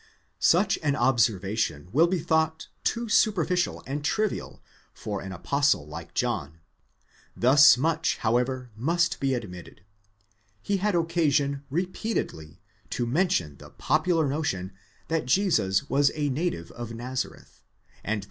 Such an observation will be thought too superficial and trivial for an apostle like John; thus much however must be admitted ; he had occasion repeatedly to mention the popular notion that Jesus wasa native of Nazareth, and the.